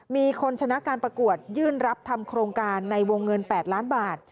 มีคนชนะการประกวดยื่นรับทำโครงการในวงเงิน๘ล้านบาท